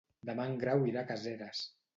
Demà en Grau irà a Caseres.